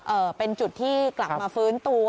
เป็นจุดที่กลับมาฟื้นตัว